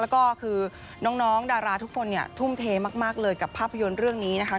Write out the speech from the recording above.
แล้วก็คือน้องดาราทุกคนเนี่ยทุ่มเทมากเลยกับภาพยนตร์เรื่องนี้นะคะ